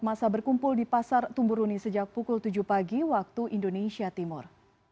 masa berkumpul di pasar tumburuni sejak pukul tujuh pagi waktu indonesia timur